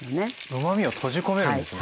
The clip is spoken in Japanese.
うまみを閉じ込めるんですね。